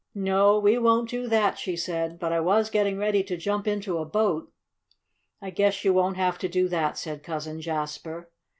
"No, we won't do that," she said. "But I was getting ready to jump into a boat." "I guess you won't have to do that," said Cousin Jasper.